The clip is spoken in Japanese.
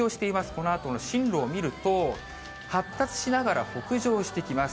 このあとの進路を見ると、発達しながら北上してきます。